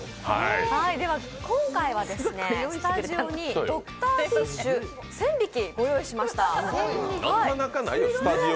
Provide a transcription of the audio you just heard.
今回はスタジオにドクターフィッシュ１０００匹をご用意しました。